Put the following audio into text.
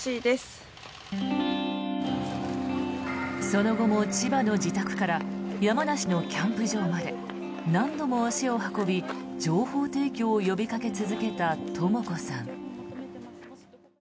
その後も、千葉の自宅から山梨のキャンプ場まで何度も足を運び情報提供を呼びかけ続けたとも子さん。